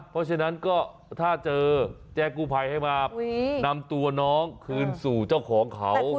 เพราะฉะนั้นก็ถ้าเจอแจ้งกู้ภัยให้มานำตัวน้องคืนสู่เจ้าของเขา